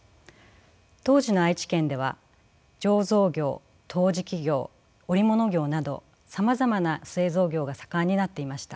当時の愛知県では醸造業陶磁器業織物業などさまざまな製造業が盛んになっていました。